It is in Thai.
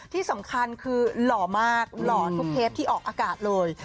ที่สำคัญคือหล่อมากหล่อทุกเทปที่ออกอากาศเลย